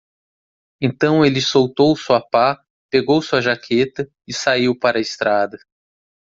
Então ele soltou sua pá? pegou sua jaqueta? e saiu para a estrada.